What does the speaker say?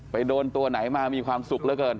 โดนตัวไหนมามีความสุขเหลือเกิน